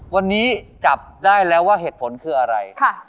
วันนี้จับได้แล้วว่าเหตุผลคืออะไร